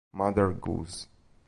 Mother Goose